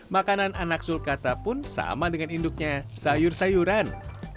makanan anak sulkata pun sama dengan induknya sayur sayuran